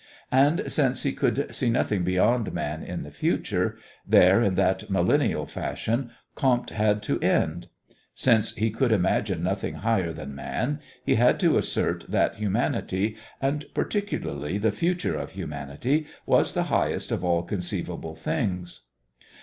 And since he could see nothing beyond man in the future, there, in that millennial fashion, Comte had to end. Since he could imagine nothing higher than man, he had to assert that humanity, and particularly the future of humanity, was the highest of all conceivable things.